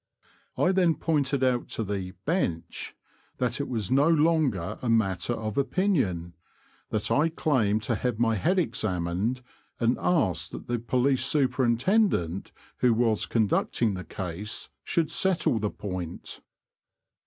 I then pointed out to the '' bench " that it was no longer a matter of opinion ; that I claimed to have my head examined, and asked that the Police Superintendent, who was conducting the case, should settle the point.